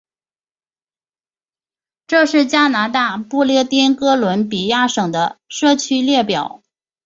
这是加拿大不列颠哥伦比亚省的社区列表。